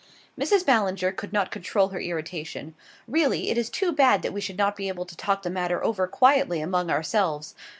Mrs. Ballinger could not control her irritation. "Really, it is too bad that we should not be able to talk the matter over quietly among ourselves.